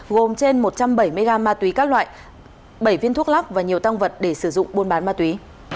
gồm trên một trăm bảy mươi gam ma túy các loại bảy viên thuốc lắc và nhiều tăng vật để sử dụng buôn bán ma túy